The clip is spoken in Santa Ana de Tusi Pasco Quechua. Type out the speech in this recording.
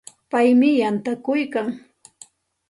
Paymi yantakuykan.